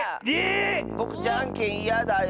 えっ⁉ぼくじゃんけんいやだよ。